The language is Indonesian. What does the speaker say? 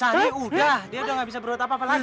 nanti udah dia udah gak bisa berbuat apa apa lagi